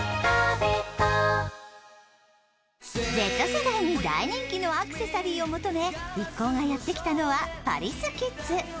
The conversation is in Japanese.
Ｚ世代に大人気のアクセサリーを求め一行がやってきたのはパリスキッズ。